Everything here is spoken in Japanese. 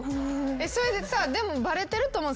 それさでもバレてると思うんすよ。